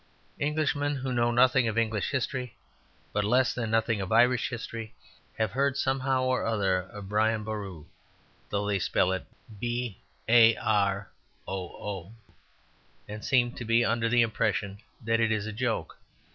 Englishmen who know nothing of English history, but less than nothing of Irish history, have heard somehow or other of Brian Boru, though they spell it Boroo and seem to be under the impression that it is a joke.